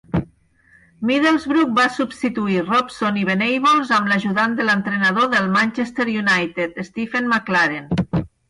Middlesbrough va substituir Robson i Venables amb l'ajudant de l'entrenador del Manchester United, Steven McClaren.